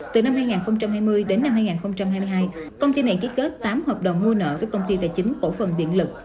từ năm hai nghìn hai mươi đến năm hai nghìn hai mươi hai công ty này ký kết tám hợp đồng mua nợ với công ty tài chính cổ phần điện lực